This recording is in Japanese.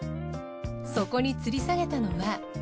そこに吊り下げたのは。